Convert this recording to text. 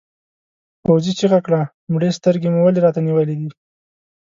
پوځي چیغه کړه مړې سترګې مو ولې راته نیولې دي؟